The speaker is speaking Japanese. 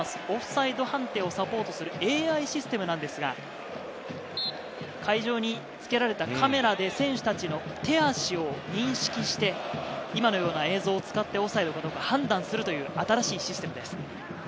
オフサイド判定をサポートするＡＩシステムですが、会場につけられたカメラで選手たちの手足を認識して今のような映像を使ってオフサイドかどうか判断するという新しいシステムです。